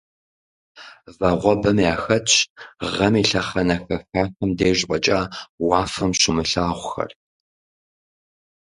Вагъуэбэхэм яхэтщ гъэм и лъэхъэнэ хэхахэм деж фӀэкӀа уафэм щумылъагъухэр.